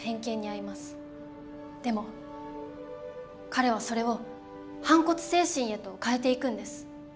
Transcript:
でも彼はそれを反骨精神へと変えていくんです。